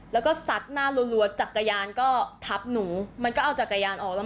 แล้วก็ซัดหน้ารัวจักรยานก็ทับหนูมันก็เอาจักรยานออกแล้ว